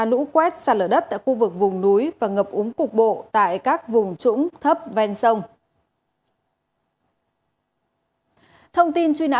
lũ quét sạt lở đất tại khu vực vùng núi và ngập úng cục bộ tại các vùng trũng thấp ven sông